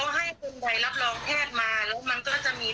รอดเด็กอยู่กับเราเหรอคะเนี่ย